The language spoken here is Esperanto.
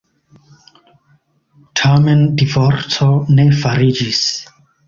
Tamen divorco ne fariĝis.